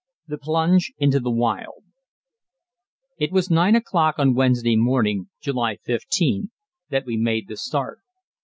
IV. THE PLUNGE INTO THE WILD It was nine o'clock on Wednesday morning, July 15, that we made the start.